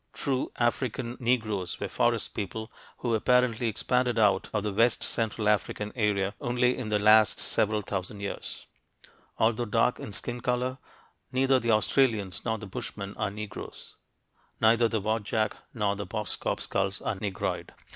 True African Negroes were forest people who apparently expanded out of the west central African area only in the last several thousand years. Although dark in skin color, neither the Australians nor the Bushmen are Negroes; neither the Wadjak nor the Boskop skulls are "Negroid."